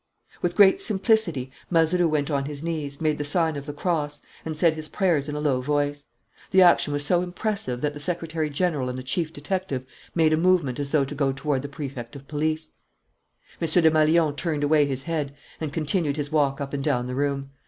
With great simplicity, Mazeroux went on his knees, made the sign of the cross, and said his prayers in a low voice. The action was so impressive that the secretary general and the chief detective made a movement as though to go toward the Prefect of Police. M. Desmalions turned away his head and continued his walk up and down the room.